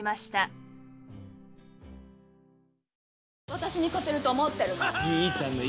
私に勝てると思ってるの？